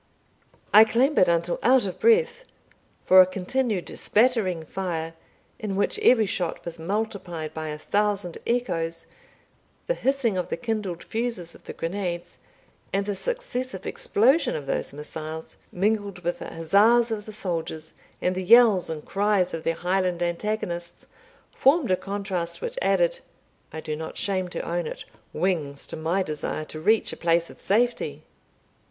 I clambered until out of breath; for a continued spattering fire, in which every shot was multiplied by a thousand echoes, the hissing of the kindled fusees of the grenades, and the successive explosion of those missiles, mingled with the huzzas of the soldiers, and the yells and cries of their Highland antagonists, formed a contrast which added I do not shame to own it wings to my desire to reach a place of safety.